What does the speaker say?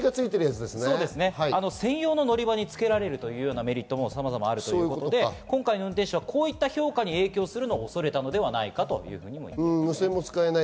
専用の乗り場につけられるというようなメリットなどがさまざまあるということで、今回の運転手はそういった評価に影響するのを恐れたのではないかということでした。